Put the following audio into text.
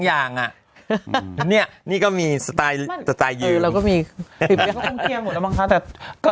อย่างอ่ะเนี้ยนี่ก็มีสไตล์สไตล์ยืมเราก็มีหมดแล้วมั้งคะแต่